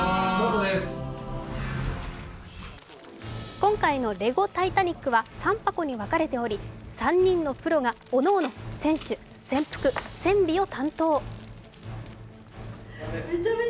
今回の「レゴタイタニック号」は３箱に分かれており、３人のプロがおのおの、船首・船腹・船尾を担当。